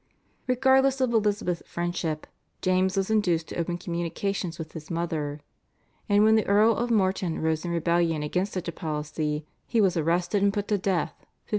Regardless of Elizabeth's friendship, James was induced to open communications with his mother, and when the Earl of Morton rose in rebellion against such a policy he was arrested and put to death (1582).